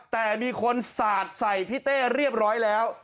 แต่มีคนสาดใส่พี่เต้เรียบร้อยแล้ว